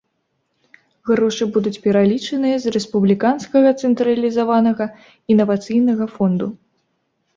Грошы будуць пералічаныя з рэспубліканскага цэнтралізаванага інавацыйнага фонду.